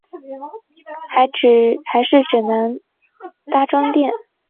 还是只能搭终电